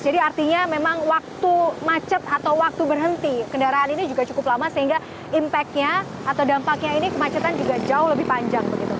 artinya memang waktu macet atau waktu berhenti kendaraan ini juga cukup lama sehingga impact nya atau dampaknya ini kemacetan juga jauh lebih panjang begitu